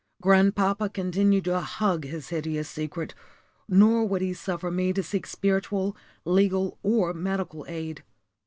Grandpapa continued to hug his hideous secret, nor would he suffer me to seek spiritual, legal, or medical aid.